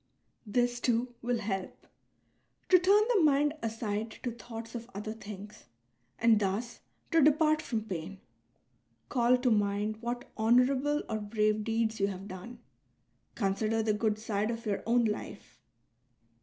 This, too, will help — to turn the mind aside to thoughts of other things and thus to depart from pain. Call to mind what honourable or brave deeds you have done ; consider the good side of your own life.'